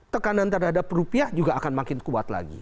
tekanan terhadap rupiah juga akan makin kuat lagi